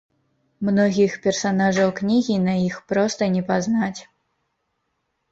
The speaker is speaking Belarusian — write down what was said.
Многіх персанажаў кнігі на іх проста не пазнаць.